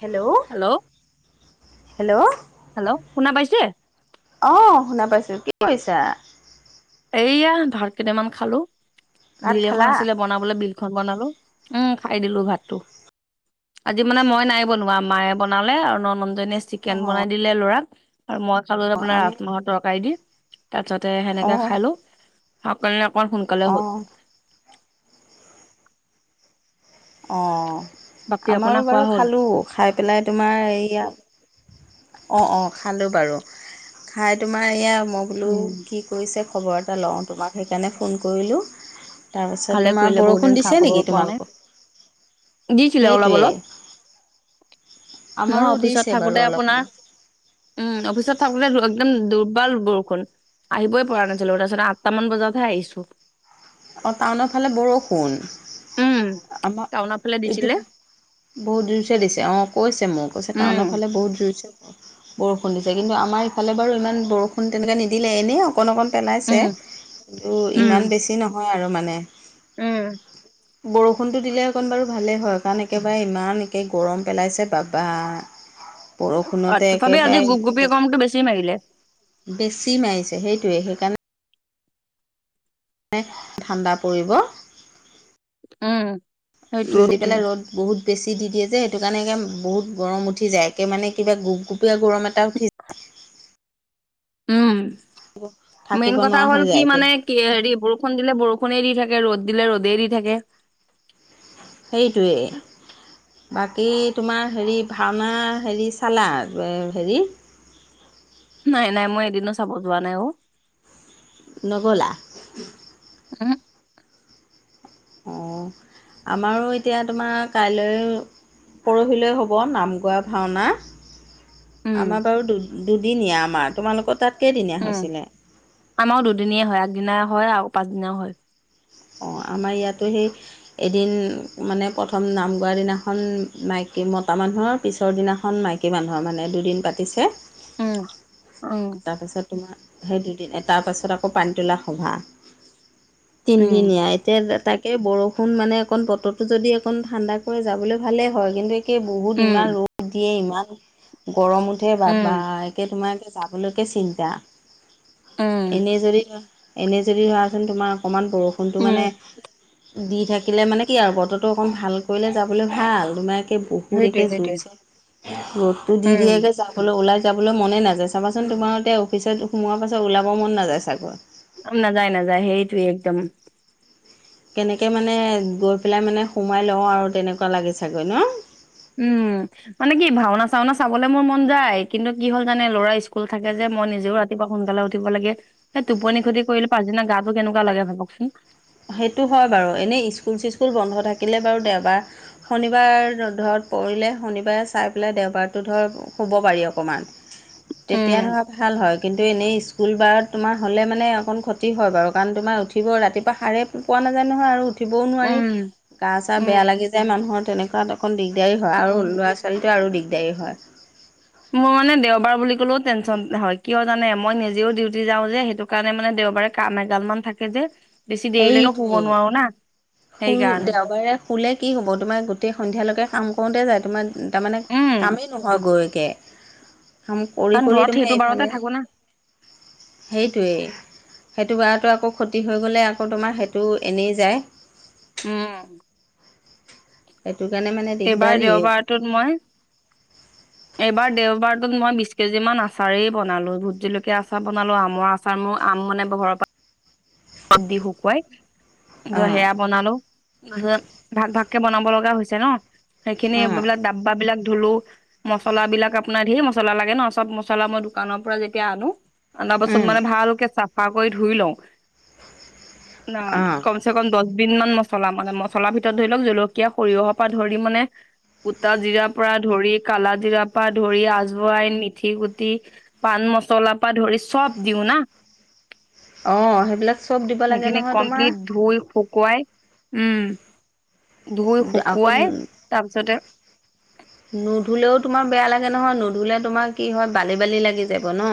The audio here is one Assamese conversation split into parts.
হেল্ল' হেল্ল' হেল্ল' শুনা পাইছে অ শুনা পাইছো কি কৰিছা এইয়া ভাত কেইটামান খালো ভাত বিল এখন খালা আছিলে বনাবলে বিল খন বনালো উম খাই দিলো ভাতটো আজি মানে মই নাই বনোৱা মায়ে বনালে আৰু নন্দ জনীয়ে চিকেন বনাই দিলে লৰাক আৰু মই খালো অ আপোনাৰ আমি ৰাজমাহৰ তৰকাৰি দি তাৰ পিছতে অ সেনেকে সেকানে অকন সোন অ অ বাকী আপোনাৰ আমাৰো খোৱা বাৰু হ'ল খালোঁ খাই পেলাই তোমাৰ এইয়া অ অ খালোঁ বাৰু খাই তোমাৰ এয়া মই বোলো উম কি কৰিছে খবৰ এটা লওঁ তোমাক সেইকাৰণে ফোন কৰিলোঁ তাৰপাছত ভালে তোমাৰ কৰিলে বহুত দিন বৰষুণ খা দিছে খবৰ নেকি পোৱা নাই তোমালোকৰ দিছিলে অলপ সেইটোৱে অলপ মই আমাৰো অফিচত দিছে বাৰু থাকোতে অলপ আপোনাৰ অলপ উম অফিচত থাকোতে একদম দুৰ্বাল বৰষুণ আহিবই পৰা নাছিলো তাৰপিছত আঠতা মান বজাতহে আহিছো অ টাউনৰ ফালে বৰষুণ উম, আমাৰ টাউনৰ ফালে এইটো দিছিলে। বহুত জোৰছে দিছে অ কৈছে মোক কৈছে উম, টাউনৰ ফালে বহুত জোৰচে বৰষুণ দিছে কিন্তু আমাৰ ইফালে বাৰু ইমান বৰষুণ তেনেকে নিদিলে এনেই অ অকণ অকণ পেলাইছে উম, কিন্তু উম, ইমান বেছি নহয় আৰু মানে উম [unintelligible] বৰষুণটো দিলে অকণ বাৰু ভালেই হয় কাৰণ একেবাৰে ইমান একে গৰম পেলাইছে বাবা বৰষুণতে একেবাৰে মোকটো বেছি মাৰিলে বেছি মাৰিছে সেইটোয়ে সেইকাৰণে ঠাণ্ডা পৰিব উম সেইটোয়ে ৰদ দি সেইটোয়ে। পেলাই ৰ'দ বহুত বেছি দি দিয়ে যে সেইটো কাৰণে একে বহুত গৰম উঠি যায় একে মানে কিবা গোপ গোপীয়া গৰম এটা উঠি উম মেইন থাকিব কথা নোৱাৰা হ'ল হৈ কি যায় একে মানে কি হেৰি বৰষুণ দিলে বৰষুণে দি থাকে ৰদ দিলে ৰদেই দি থাকে। সেইটোৱে। বাকী তোমাৰ হেৰি ভাওনা হেৰি চালা হেৰি? নাই -নাই মই এদিনো চাব যোৱা নাই অ, নগলা? ওহোঁ। অ, আমাৰো এতিয়া তোমাৰ কাইলৈ পৰহিলৈ হ'ব নাম গোৱা ভাওনা। উম, আমাৰ বাৰু দু-দুদিনীয়া আমাৰ তোমালোকৰ তাত কেইদিনীয়া উম হৈছিলে? আমাৰো দুদিনি হয় আগদিনাই হয় আৰু পাচদিনাও হয়। অ, আমাৰ ইয়াতো সেই এদিন মানে প্ৰথম নাম গোৱাৰ দিনাখন মাইকী মতা মানুহৰ পিছৰ দিনাখন মাইকী মানুহৰ মানে দুদিন পাতিছে। উম- উম তাৰপাছত তোমাৰ সেই দুদিন তাৰপাছত আকৌ পানী তোলা সভা উম, তিনিদিনীয়া এতিয়া তাক একে বৰষুণ মানে অকণ বতৰটো যদি অকণ ঠাণ্ডা কৰে যাবলে ভালে হয় কিন্তু কে বহুত উম, ইমান ৰ'দ দিয়ে ইমান গৰম উঠে বা- উম, বা একে তোমাৰ একে যাব যাবলৈকে চিন্তা উম, এনে যদি- এনে যদি হোৱাহেঁতেন তোমাৰ অকণমান বৰষুণটো উম, মানে দি থাকিলে মানে কি আৰু বতৰো অকণ ভাল কৰিলে যাবলৈ ভাল তোমাৰ এ বহুত সেইটোয়ে একে সেইটোয়ে। জুৰচে ৰ'দটো উম, দিয়ে গে যাবলৈ ওলাই যাবলৈ মনে নাযায় চাবাচোন তোমাৰ এতিয়া অফিচত সোমোৱাৰ পাছত ওলাব মন নাযায় চাগৈ? উম, নাযায়- নাযায় সেইটোৱে একদম। কেনেকে মানে গৈ পেলাই মানে সোমাই লওঁ আৰু তেনেকুৱা লাগে চাগৈ ন? উম, মানে কি ভাওনা-চাওনা চাবলৈ মোৰ মন যায় কিন্তু কি হ'ল জানে ল'ৰা স্কুল থাকে যে, মই নিজেও ৰাতিপোৱা সোনকালে উঠিব লাগে সেই টোপনি খতি কৰিলে পাছদিনা গাটো কেনেকোৱা লাগে ভাবকচোন? সেইটো হয় বাৰু এনেই স্কুল- চিস্কুল বন্ধ থাকিলে বাৰু দেওবাৰ শনিবাৰ ধৰত পৰিলে শনিবাৰে চাই পেলাই দেওবাৰটো ধৰক শুব পাৰি অকমান তেতিয়া উম ধৰা ভাল হয় কিন ত' এনেই স্কুল বাৰত তোমাৰ হ'লে মানে অকণ ক্ষতি হয় বাউ কাৰণ তোমাৰ উঠিব ৰাতিপ পোৱা সাৰে পোৱা নাযায় নহয় আৰু উঠিবও নোৱাৰি উম গা চা বেয়া উম লাগি যায় মানুহৰ তেনেকুৱা অকণ দিগদাৰী হয় আৰু উম ল'ৰা -ছোৱালীটো আৰু দিগদাৰী হয়। মোৰ মানে দেওবাৰ বুলি কলেও টেনচন হয় কিয় জানে মই নিজেও ডিউটি যাও যে সেইটো কাৰণে মানে দেওবাৰে কাম এগাল মান থাকে যে বেছি দেৰিলৈকেও শুব নোৱাৰো না। শুল সেইকাৰণে দেওবাৰে শুলে কি হ'ব তোমাৰ গোটেই সন্ধিয়ালৈকে কাম কৰোতে যায় তোমাৰ তাৰমানে উম কামেই নহয় গৈকৈ। কাম কাৰণ কৰি-কৰি ঘৰত তোমাৰ সেইটো বাৰতে এইফালে থাকো না সেইটোৱেই। সেইটো বাৰটো আকৌ ক্ষতি হৈ গ'লে আকৌ তোমাৰ সেইটো এনেই যায়। উম, এইটো কাৰণে মানে এইবাৰ দিগদাৰিয়ে দেওবাৰটোত মই [unintelligible] এইবাৰ দেওবাৰটোত মই বিছ কেজি মান আচাৰেই বনালোঁ ভোট জলকীয়া আচাৰ বনলোঁ আমৰ আচাৰ চা মোৰ আম মানে ঘৰৰ পৰা [unintelligible] দি শুকুৱাই ধৰ অঁ সেয়া বনালোঁ তাৰপিছত ভাগ -ভাগকে বনাব লগা হৈছে ন'সেইখিনি অঁ এইবিলাক বা বিলাক ধুলোঁ। মছলাবিলাক আপোনাৰ ধেৰ মছলা লাগে ন' চব মছলা মই দোকানৰ পৰা যেতিয়া আনো আনা পাছত উম, মানে ভালকে চাফা কৰি ধুই লও [unintelligible] অঁ কমচ কমচে কম দছ বিধ মান মছলা মানে, মছলাৰ ভিতৰত ধৰি লওঁক জলকীয়া, সৰিয়হৰ পৰা ধৰি মানে গোটা জিৰা পৰা ধৰি কালা জিৰা পৰা ধৰি আজৱাইন, মিথি গুটি পাণ মছলা পা ধৰি চব দিওঁ না। অ সেইবিলাক চব দিব লাগে সেইখিনি নহয় তোমাৰ কমপ্লিট ধুই শুকুৱাই, উম। ধুই আকৌ শুকুৱাই তাৰপিছতে নুধুলেও তোমাৰ বেয়া লাগে নহয়। নুধুলে তোমাৰ কি হয় বালি-বালি লাগি যাব ন?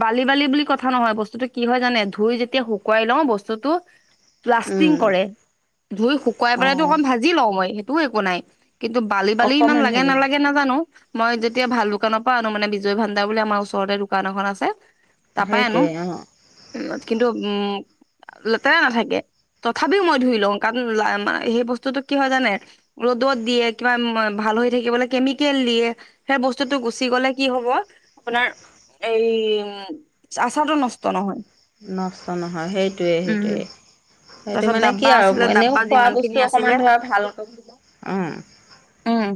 বালি-বালি বুলি কথা নহয়। বস্তুটো কি হয় জানে? ধুই যেতিয়া শুকুৱাই লওঁ বস্তুটো লাষ্টিং উম, কৰে। ধুই শুকুৱাই পেলাইটো অঁ অকণ ভাজি লওঁ মই সেইটোও একো নাই। কিন্তু বালি-বালি ইমান অকণমান লাগে ভাগিব নালাগে নাজানো। মই যেতিয়া ভাল দোকানৰ পৰা আনো মানে বিজয় ভাণ্ডাৰ বুলি আমাৰ ওচৰতে দোকান এখন আছে। তাৰপাই আনো। সেইটোৱে অঁ উ কিন্তু উম লেতেৰা নাথাকে। তথাপিও মই ধুই লওঁ, কাৰণ সেই বস্তুটো কি হয় জানে? ৰ'দত দিয়ে কিবা ভাল হৈ থাকিবলৈ কেমিকেল দিয়ে। সেই বস্তুটো গুচি গ'লে কি হ'ব আপোনাৰ এই উ- উম, আচাৰটো নষ্ট নহয়। নষ্ট নহয় সেইটোৱে, উম। সেইটোৱেই। সেইটো তাৰপিছত মানে ডাব্বা কি আছিলে আৰু এনেও ডাব্বা খোৱা যিমান খিনি বস্তু আছিলে অকমান ধৰা ভালকৈ ব [unintelligible] উম। উম,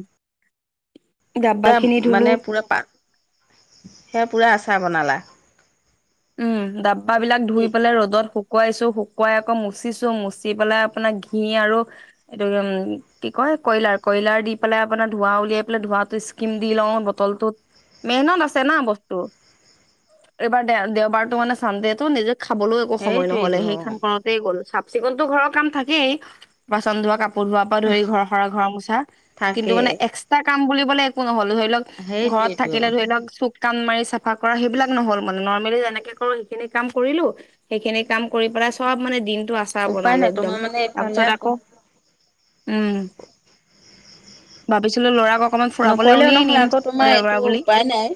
গা পা পুৰা খিনি মানে ধুলো। পুৰা পা সেয়া পুৰা আচাৰ বনালা? উম, ডাব্বা বিলাক ধুই পেলাই ৰ'দত শু শুকুৱাইছো। শুকুৱাই আকৌ মুচিছো। মুচি পেলাই আপোনাৰ ঘি আৰু এইটো উ কি কয় কইলাৰ কইলাৰ দি পেলাই আপোনাৰ ধোঁৱা উলিয়াই পেলাই ধোঁৱাটো স্কিম দি লওঁ বটলটোত। মেহনত আছে না বস্তু? এইবাৰ দেওবাৰটো মানে চানদেটো নিজে খাবলৈও একো সময় নহ'লে সেইটোৱেইটো অ সেইখন কৰ তেই গ'ল, চাফ চিকুণতো ঘৰৰ কাম থাকেই, বাচন ধোৱা, কাপ পোৰ ধোৱা পৰা ধৰি ঘৰ সৰা, ঘৰ মোচা কিন্তু তাকেই মানে এক্সট্ৰা কাম বুলিবলে একো নহ'ল। ধৰি লওক ঘৰত সেইটোৱেইটো থাকিলে ধৰি লওঁক চুক কাম মাৰি চাফা কৰা সেইবিলাক নহ'ল। মানে নৰ্মেলি যেনেকে কৰো সেইখিনি কাম কৰিলো। সেইখিনি কাম কৰি পেলাই চব মানে দিনটো আছ আচাৰ উপায় বনালো নাই একদম। তোমাৰ মানে এইফালে তাৰপিছত আকৌ উম। ভাবিছিলো ল'ৰা কক অকমান ফুৰাবলৈ নকৰিলেও উলিয়াই নহয় নিম আকৌ তোমাৰ এইটো দেওবাৰ বুলি। উপায় নাই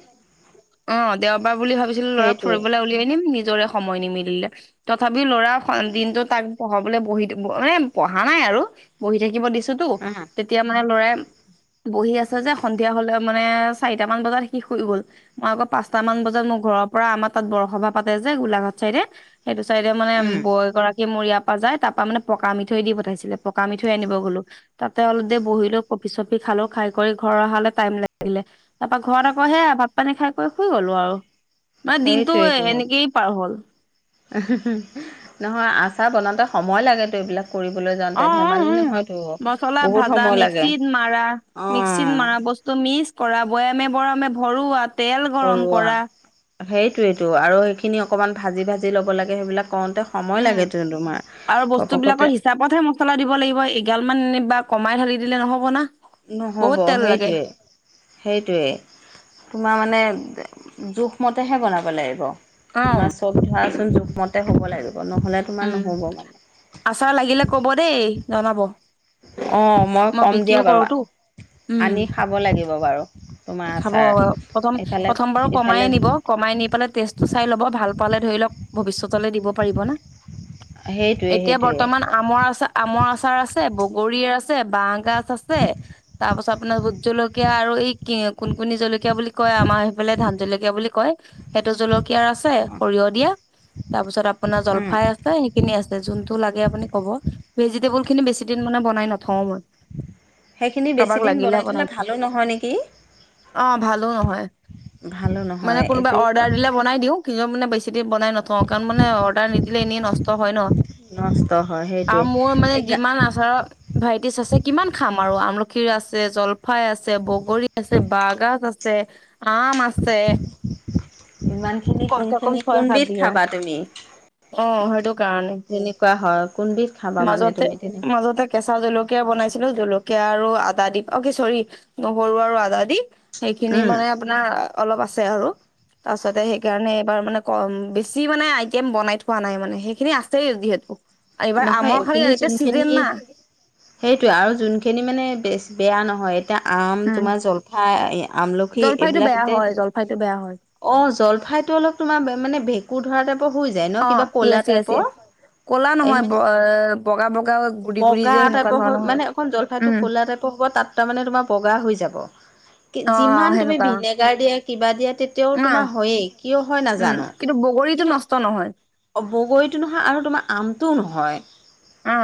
অ', দেওবাৰ বুলি ভাবিছিলো ল'ৰাক সেইটোৱে ফুৰিবলৈ উলিয়াই নিম, নিজৰে সময় নিমিলিলে। তথাপি ল'ৰা দিনতো তাক পঢ়াবলৈ বহি মানে পঢ়া নাই আৰু বহি থাকিব দিছো। টোতো উম তেতিয়া মানে ল'ৰাই বহি আছে যে সন্ধিয়া হ'লে মানে চাৰিটা মান বজাত সি শুই গ'ল। মই আকৌ পাঁচটা মান বজাত মোৰ ঘৰৰ পৰা আমাৰ তাত বৰসভা পাতে যে গোলাঘাট চাইদে। সেইটো চাইডে মানে উম বৌ এগৰাক কী মোৰ ইয়াৰ পৰা যায়। তাৰ পৰা মানে পকা মিঠৈ দি পঠাইছিলে, পকা মিঠৈ আনিব গ'লো। তাতে অলপ দেৰি বহিলো, কপি-চপি খালো। খাই কৰি ঘৰ অহালে টাইম লাগিলে। তাৰপা ঘৰত আকৌ সেয়া ভাত পানী খাই কৰি শুই গলো আৰু। মানে দিনটো সেইটোৱেইটো এনেকেই পাৰ হ'ল। [unintelligible] নহয় আচাৰ বনাওঁতে সময় লাগেটো এইবিলাক। কৰিবলৈ যাওঁতে অ, অ ধেমালি উম নহয়তো মচলা বহুত ভাজা, সময় লাগে মিক্সিত মাৰা অ মিক্সিত মৰা বচ টো মিছ কৰা বৈয়ামে বৰামে ভৰোৱাত ভৰোৱা সেইটোৱেটো আৰু সেইখিনি অকমান ভাজি ভাজি ল'ব লাগে। সেইবিলাক কৰোতে উম আৰু বস্তুবিলাকৰ হিচাপতহে মোক মছলা দিব লাগিব, এগাল মান এনে বা কমাই ধালি দিলে নহ'ব না। বহুত নহ'ব তেল লাগে সেইটোৱে। সেইটোৱেই, তোমাৰ মানে জোখমতেহে বনাব লাগিব। অ তোমাৰ চব ধৰাচোন জোখমতে হ'ব লাগিব। নহলে তোমাৰ উম নহব। আচাৰ লাগিলে কব দেই, জনাব। অ' মই কম দিয়া বিক্ৰীও বাৰু কৰোতো। আনি উম খাব লাগিব বাৰু তোমাৰ খাব, আচাৰ। প্ৰথম এইফালে প্ৰথম বাৰো এইফালে কমাই নিব। কমাই নি পেলাই টেষ্টটো চাই ল'ব। ভাল পালে ধৰি লওক ভৱিষ্যতলে দিব পাৰিব না। সেইটোৱে এতিয়া সেইটোৱে বৰ্তমান আমৰ আচাৰ আমৰ আচাৰ আছে, বগৰীৰ আছ আছে, বাঁহ গাজ আছে, তাৰপাছত আপোনাৰ ভোট জলকীয়া আৰু এই কি কোনকোণী জলকীয়া বুলি কয়, আমাৰ সেইফালে ধান জলকীয়া বুলি কয়। সেইটো জলকীয়াৰ আছে অ' সৰিয়হ দিয়া। তাৰপিছত আপোনাৰ উম। জলফাই আছে সেইখিনি আছে। যোনতটো লাগে আপুনি কব। ভেজিটেবল খিনি বেছি দিন মানে বনাই ন থ'ও ম'ই। সেইখিনি কাৰোবাক বেছিদিন লাগিলে বনাই থ'লে দিওঁ ভালো নহয় নেকি? অ ভালো নহয়, ভালো মানে নহয় কোনোবাই এইটো অৰ্ডাৰ দিলে বনাই দিওঁ। নিজৰ মানে বেছি দেৰি বনাই নথওঁ, কাৰণ মানে অৰ্ডাৰ নিদিলে এনেই নষ্ট হয় ন। নষ্ট হয় সেইটোৱে আৰু মোৰ মানে এই গা দিমান আচাৰত ভাৰাইটিজ আছে কিমান খাম আৰু আমলখিৰ আছে, জলফাই আছে, বগৰী আছে, বাঁহগাজ আছ ছে, আম আছে। ইমানখিনি কমচে কম কোনখিনি ছয় সাত কোনবিধ বিঘান খাবা তুমি? অ সেইটো কাৰণে তেনেকুৱা হয়, কোনবিধ খাবা মানে মাজতে তুমি তেনেকে। মাজতে কেঁচা জলকীয়া বনাইছিলো জলকীয়া আৰু আদা দি অ কি চৰি নহৰু আৰু আদা দি। সেইখিনি উম মানে আপোনাৰ অলপ আছে আৰু, তাছতে সে সেইকাৰণে এইবাৰ মানে কম, বেছি মানে আইটেম বনাই থোৱা নাই মানে, সেইখিনি আছেই যিহেত এইবাৰ নহয় আমৰ খালি এইখিনি এতিয়া যোনখিনি চিজেন না। সেইটোৱে আৰু যোনখিনি মানে বেছ বেয়া নহয়। এতিয়া আম উম তোমাৰ জলফাই, আমলখি জলফাইটো এইবিলাক বেয়া তে হয় জলফাইটো বেয়া হয় অঁ জলফাইটো অলপ তোমাৰ মানে ভেঁকুৰ ধৰা টাইপৰ হৈ যায় অ ন, কিবা ক'লা য়েছ য়েছ য়েছ টাইপৰ! কলা এই নহয় ব মানে, এ বগা বগা গুৰি গুৰি বগা যে সেনেকুৱা টাইপৰ ধৰণৰ হৈ হয় মানে এখন জলফাইতটো উম কলা টাইপৰ হ'ব তাত তাৰ মানে তোমাৰ বগা হৈ যাব। কি অ যিমান তুমি সেনেকুৱা ভিনেগাৰ দিয়া, কিবা দিয়া, তেতিয়াও অ অ তোমাৰ হয়েই। কিয় হয় উম নাজানো, কিন্তু বগৰীটো কিন্তু নষ্ট নহয় বগৰীটো নহয় আৰু তোমাৰ আমটোও নহয়। আ।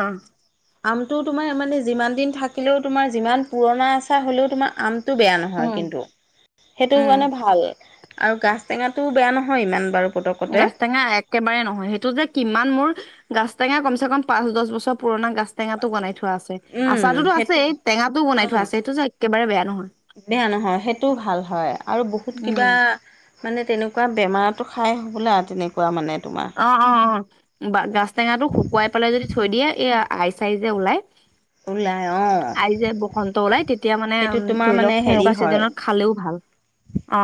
আমটো তোমাৰ মানে যিমান দিন থাকিলেও তোমাৰ যিমান পুৰণা আচাৰ হ'লেও, তোমাৰ আমটো বেয়া নহ হয় উম কিন্তু। সেইটো উম কাৰণে ভাল আৰু গাছ টেঙাটো বেয়া নহয় ইমান বাৰু পতকতে গাজ টেঙা এক একেবাৰে নহয়। সেইটো যে কিমান মোৰ গাছ টেঙা কমছেকম পাঁচ দস বছৰ পুৰণা গাছ টেঙাতো বনাই থোৱা আছে, উম আচাৰোতো টো সেইটো আছে এই, টেঙাটো ও অ বনাই থোৱা আছে সেইটো যে একেবাৰে বেয়া নহয়। বেয়া নহয় সেইটোও ভাল হয় আৰু বহুত উম কিবা মানে তেনেকুৱা বেমাৰটো খাই হ'বলা আৰু তেনেকুৱা মানে তোমাৰ। অ অ অ গাছ টেঙাটো শুকুৱাই পেলাই যদি থৈ দিয়ে, এ আই চাই যে ওলাই। ওলাই অঁ আই যে বসন্ত ওলাই, তেতিয়া মানে তোমাৰ ধৰি মানে লওক হেৰি হেনেকুৱা হয় চিজনত খালেও ভাল। অ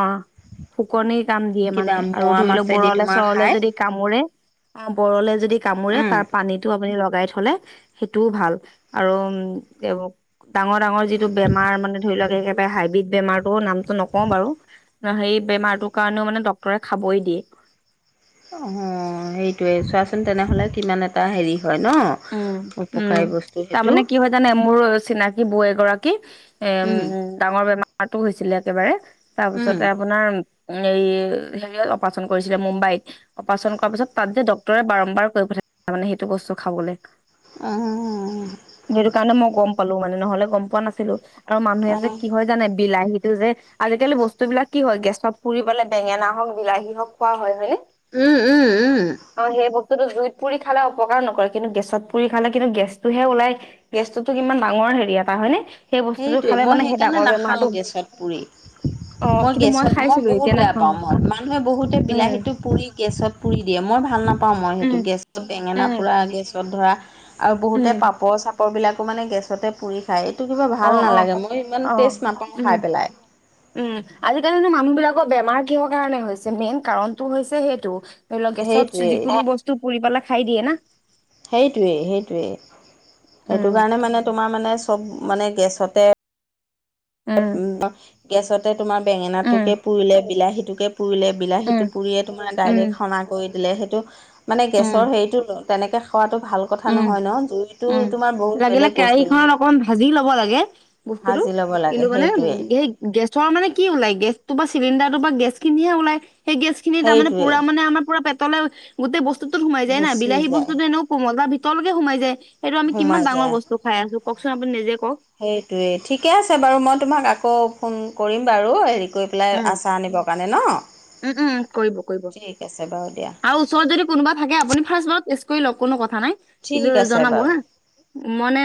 শুকনি কাম দিয়ে কিবা মানে আৰু মোৱা ধৰি লওক মাছেদি বৰলে তোমাৰ চৰলে খাই যদি কামোৰে, অ বৰলে যদি কামোৰে উম তাৰ পানীটো আপুনি লগাই থলে, সেইটোও ভাল আৰু উম এই ডাঙৰ ডাঙৰ যিটো বেমাৰ মানে ধৰি লওক হাইব্ৰীড বেমাৰতো নামটো নকওঁ বাৰু, সেই বেমাৰটো কাৰণেও মানে ডক্তৰে খাবই দিয়ে। অঁ সেইটোৱে, চোৱাচোন তেনেহ'লে কিমান এটা হেৰি হয় ন? উম, উম, পকাই বস্তু সেইটো তাৰমানে কি হয় জানে, মোৰ চিনাকি বৌ এগৰাকী এম উম ডাঙৰ বেমাৰতটো হৈছিলে একেবাৰে উম তাৰপিছতে আপোনাৰ। এই হেৰিয়ত অপাৰচন কৰিছিলে মুম্বাইত। অপাৰচন কৰাৰ পিছত তাত যে ডক্টৰে বাৰম্বাৰ কৈ পঠাইছিল মানে সেইটো বস্তু খাবলৈ। অ সেইটো কাৰণে মই গম পালো মানে নহলে গম পোৱা নাছিলো। আৰু মানুহে অ যে কি হয় জানে বিলাহীত। এইটো যে, আজিকালি বস্তু বিলাক কি হয় গেছত পুৰি পালে বেঙেনা হওক বিলাহী হওক খোৱা হয় হয়নেে! উম উম উম অ' সেই বস্তুতো জুইত পুৰি খালে অপকাৰ নকৰে কিন্তু গেছ। গেছত পুৰি খালে কিন্তু গেছটোহে ওলাই গেছটোতো কিমান ডাঙৰ হেৰি এটা হয়নেে। সেইটোৱে মই সেইকাৰণে নাখাওঁ গেছত পুৰি। অ মই কিন্তু গেছত মই খাইছিলো এতিয়া বহুত বেয়া নাখাও পাওঁ মই মানুহে বহুতে উম বিলাহীটো পুৰি গেছত। পুৰি দিয়ে মই ভাল নাপাওঁ মই সেইটো উম গেছত বেঙেনা উম পুৰা গেছত ধৰা। আৰু বহুতে উম পাপৰ চাপৰবিলাকো মানে গেছতে পুৰি খায় এইটো। কিবা ভাল অ অ নালাগে মই ইমান অ টেষ্ট নাপাওঁ উম খাই পেলাই। উম আজিকালিতো মানুহ বিলাকৰ বেমাৰ কিহৰ কাৰণে হৈছে মেইন কাৰণতটো হৈছে সেইটো। ধৰি লওক গেছত সেইটোৱেই যিকোনো বস্তু পুৰি পেলাই খাই দিয়ে না। সেইটোৱেই সেইটোৱেই সেইটো উম কাৰণে মানে তোমাৰ মানে চব মানে গেছতে। উম তে গেছতে তোমাৰ উম বেঙেনাটোকে পুৰিলে বিলাহীটোকে পুৰিলে। উম বিলাহীটো পুৰিয়ে তোমাৰ উম ডাইৰেক্ট সনা কৰি দিলে সেইটো মানে উম গেছৰ হেৰিটো। তেনেকৈ খোৱাটো ভাল। কথা উম নহয় ন জুইটো উম তোমাৰ বহুত লাগিলে বেলেগ বস্তু কেৰাহিখনত অকমান ভাজি ল'ব লাগে। বস্তুটো সাজি ল'ব লাগে কিন্তু মানে সেইটোৱে সেই গেছৰ মানে কি ওলাই গেছটো বা চিলিণ্ডাৰটো বা গেছ খিনিহে ওলাই সেই গেছ। খিনি তাৰমানে সেইটোৱে পুৰা মানে আমাৰ পৰা পেটলে গোটে বস্তুতোত সোমায় যায় না গুচি বিলাহী যায় বস্তুটো এনেকুৱা। কোমল বা ভিতৰলৈ কে সোমাই যায় সেইটো আমি সোমাই কিমান ডাঙৰ বস্তু খাই আছো কওকচোন আপুনি নিজে কওক। সেইটোৱেই ঠিকে আছে বাৰু মই তোমাক আকৌ ফোন কৰিম বাৰু হেৰি কৰি। ওলাই উম, আচাৰ আনিবৰ কাৰণে ন উম, উম, কৰিব কৰিব ঠিক আছে বাৰু দিয়া। আৰু ওচৰত যদি কোনোবা থাকে আপুনি ফাৰ্ষ্ট বাৰত কৰি লওক কোনো কথা নাই কিন্তু ঠিক আছে জনাব বাৰু হা মানে।